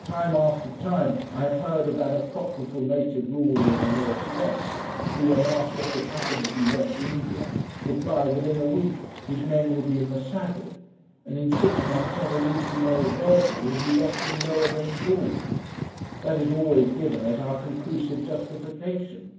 Time after time I have heard of that apocryphal native ruler in the north west, who, when asked what would happen if we left India, replied that in a week his men would be in the saddle, and in six months not a rupee nor a virgin would be left in Lower Bengal. That is always given as our conclusive justification.